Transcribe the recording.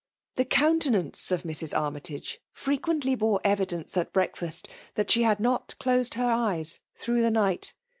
The countenance of Mrs. Armytage fireqnently bore evidence at breakfast that she had not dosed hee eyes through the night.